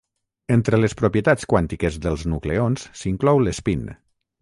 Entre les propietats quàntiques dels nucleons s'inclou l'espín.